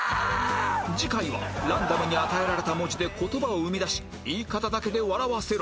次回はランダムに与えられた文字で言葉を生み出し言い方だけで笑わせろ